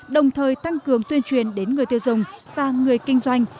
đồng thời tăng cường tuyên truyền đến người tiêu dùng và người kinh doanh